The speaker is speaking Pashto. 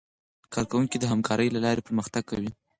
کارکوونکي د همکارۍ له لارې پرمختګ کوي